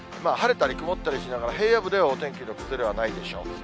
晴れたり曇ったりしながら、平野部ではお天気の崩れはないでしょう。